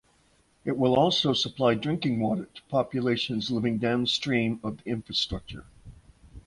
It will also supply drinking water to populations living downstream of the infrastructure.